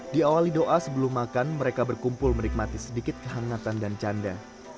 diawali doa sebelum makan mereka berkumpul menikmati sedikit kehangatan dan canda